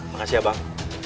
makasih ya bang